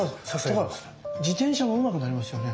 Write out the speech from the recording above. だから自転車もうまくなりますよね？